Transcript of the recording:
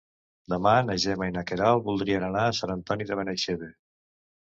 Demà na Gemma i na Queralt voldrien anar a Sant Antoni de Benaixeve.